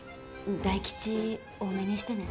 大吉多めにしてね。